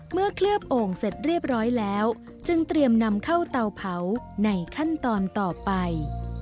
เคลือบโอ่งเสร็จเรียบร้อยแล้วจึงเตรียมนำเข้าเตาเผาในขั้นตอนต่อไป